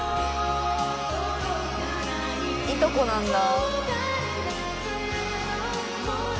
いとこなんだ。